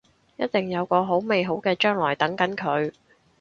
一定有個好美好嘅將來等緊佢